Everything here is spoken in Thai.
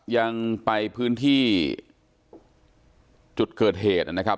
ยังไปพื้นที่จุดเกิดเหตุนะครับ